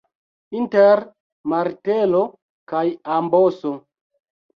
Inter martelo kaj amboso.